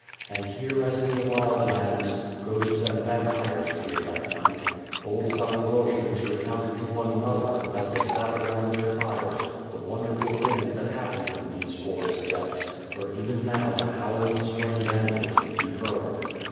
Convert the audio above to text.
And here as in the Wild Lands, ghosts and vampires appeared at night. Old Zaporojians recounted to one another, as they sat around their fires, the wonderful things that hap pened in those forest depths, where even now the howling of strange animals could be heard.